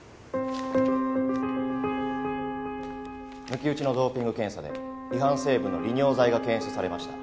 抜き打ちのドーピング検査で違反成分の利尿剤が検出されました。